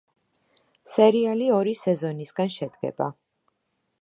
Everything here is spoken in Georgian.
სერიალი ორი სეზონისგან შედგება.